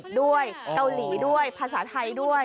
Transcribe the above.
อังกฤษด้วยกาวหรี่ด้วยภาษาไทยด้วย